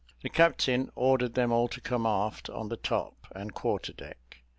The captain ordered them all to come aft on the top and quarter deck.